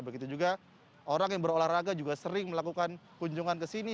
begitu juga orang yang berolahraga juga sering melakukan kunjungan ke sini